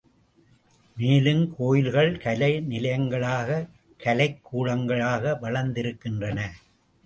மேலும், கோயில்கள் கலை நிலையங்களாக, கலைக் கூடங்களாக வளர்ந்திருக்கின்றன.